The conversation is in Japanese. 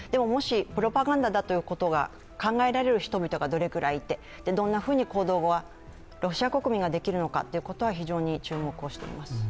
プロパガンダということが考えられる人々がどれくらいいて、どんなふうに行動をロシア国民ができるのか、非常に注目をしています。